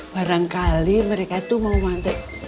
barangkali mereka itu mau mantek